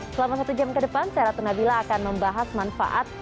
selama satu jam ke depan saya ratu nabila akan membahas manfaat